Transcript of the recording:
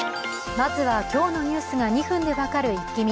まずは今日のニュースが２分で分かるイッキ見。